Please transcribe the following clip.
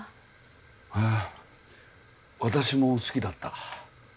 へぇ私も好きだった。